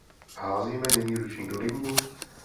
Házíme nyní ručník do ringu?